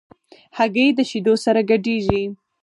هګۍ د شیدو سره ګډېږي.